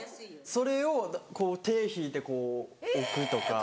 それを手敷いてこう置くとか。